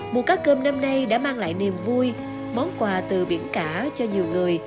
mùa cá cơm năm nay đã mang lại niềm vui món quà từ biển cả cho nhiều người